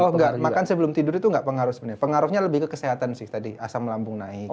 oh enggak makan sebelum tidur itu nggak pengaruhnya lebih ke kesehatan sih tadi asam lambung naik